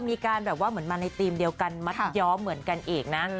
มีการแบบว่าเหมือนมาในธีมเดียวกันมัดย้อมเหมือนกันอีกนะ